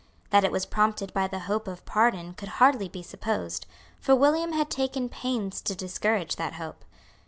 That it was prompted by the hope of pardon could hardly be supposed; for William had taken pains to discourage that hope.